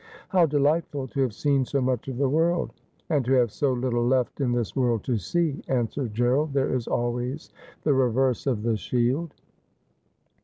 ' How delightful to have seen so much of this world !'' And to have so little left in this world to see,' answered Gerald ;' there is always the reverse of the shield.'